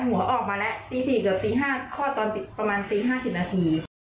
หัวออกมาและจี๊สี่เกือบสี่ห้าคลอดตอนปิดประมาณสี่ห้าสิบนาที